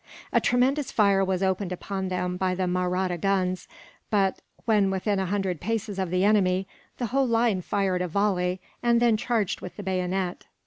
A tremendous fire was opened upon them by the Mahratta guns but, when within a hundred paces of the enemy, the whole line fired a volley, and then charged with the bayonet.